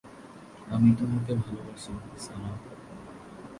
আমি তোমাকে ভালবাসি, সারাহ!